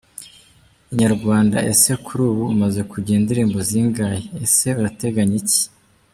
Inyarwanda: Ese kuri ubu umaze kugira indirimbo zingahe, ese urateganya iki?.